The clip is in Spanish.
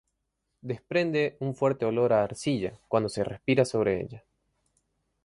Desprende un fuerte olor a arcilla cuando se respira sobre ella.